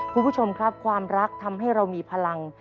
คุณผู้ชมครับความรักทำให้เรามีพลัง